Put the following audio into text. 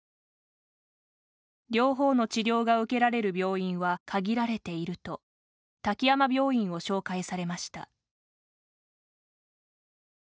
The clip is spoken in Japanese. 両方の治療が受けられる病院は限られていると滝山病院を紹介されました。